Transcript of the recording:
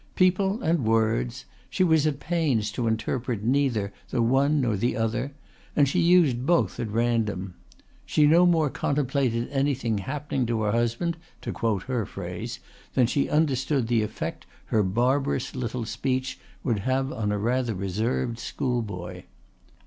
People and words she was at pains to interpret neither the one nor the other and she used both at random. She no more contemplated anything happening to her husband, to quote her phrase, than she understood the effect her barbarous little speech would have on a rather reserved schoolboy.